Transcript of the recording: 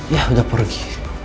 yah udah pergi